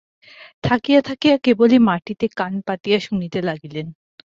থাকিয়া থাকিয়া কেবলই মাটিতে কান পাতিয়া শুনিতে লাগিলেন।